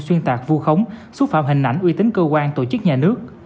xuyên tạc vu khống xúc phạm hình ảnh uy tín cơ quan tổ chức nhà nước